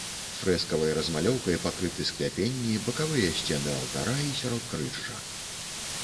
Фрэскавай размалёўкай пакрыты скляпенні, бакавыя сцены алтара і сяродкрыжжа.